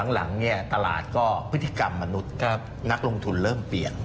หลังตลาดก็พฤษภาคมนักลงทุนเริ่มเปลี่ยน